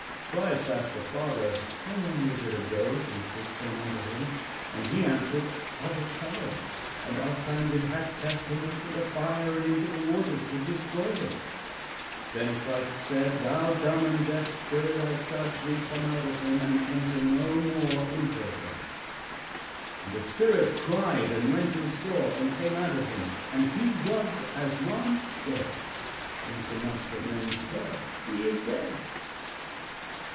Christ asked the father: "How long is it ago since this came unto him?" And he answered: "Of a child, and ofttimes it hath cast him into the fire and into the waters to destroy him." Then Christ said: "Thou dumb and deaf spirit, I charge thee, come out of him, and enter no more into him." "And the spirit cried, and rent him sore, and came out of him; and he was as one dead; insomuch that many said, 'He is dead.'"